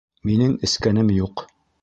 Минең эскәнем юҡ.